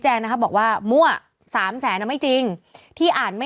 ให้กะกะตอที่ปฏิบัติงานนะ